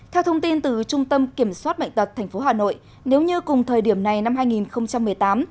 theo thông tin từ trung tâm kiểm soát bệnh tật tp hà nội nếu như cùng thời điểm này năm hai nghìn một mươi tám